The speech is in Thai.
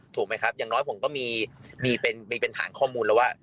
ถูกไหมครับอย่างน้อยผมก็มีเป็นฐานข้อมูลแล้วว่า